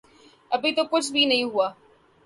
ابھی تو کچھ بھی نہیں ہوا۔